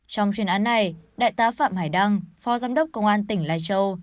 trong chuyên án này đại tá phạm hải đăng phó giám đốc công an tỉnh lai châu